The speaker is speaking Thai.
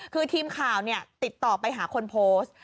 คือทีมข่าวติดต่อไปหาคนโพสต์